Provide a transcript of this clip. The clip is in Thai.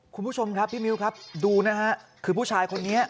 คุณผู้ชมครับพี่มิวครับดูนะฮะคือผู้ชายคนนี้